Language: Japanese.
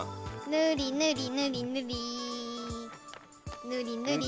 ぬりぬりぬり。